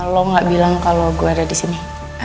lo gak bilang kalau gue ada disini